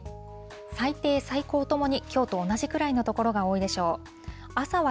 最低、最高ともに、きょうと同じくらいの所が多いでしょう。